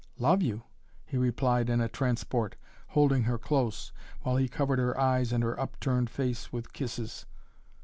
"Love you?" he replied in a transport, holding her close, while he covered her eyes and her upturned face with kisses.